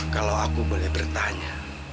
kalau aku boleh bertanya